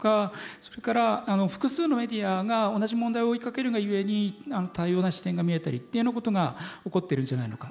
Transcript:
それから複数のメディアが同じ問題を追いかけるがゆえに多様な視点が見えたりというようなことが起こってるんじゃないのか。